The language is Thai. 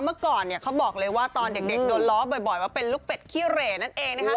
เมื่อก่อนเขาบอกเลยว่าตอนเด็กโดนล้อบ่อยว่าเป็นลูกเป็ดขี้เหร่นั่นเองนะคะ